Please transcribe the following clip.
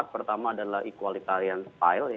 pertama adalah equalitarian style